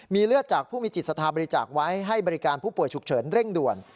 มีเลือดจากผู้มีจิตสถานบริจาคไว้ให้บริการผู้ป่วยฉุกเฉินเร่งด่วน